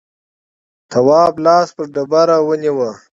تواب لاس پر ډبره ونيو.